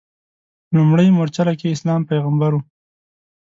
په لومړۍ مورچله کې اسلام پیغمبر و.